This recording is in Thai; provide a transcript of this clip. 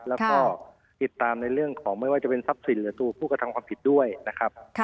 แล้วก็ติดตามในเรื่องของไม่ว่าจะเป็นทรัพย์สินหรือตัวผู้กระทำความผิดด้วยนะครับ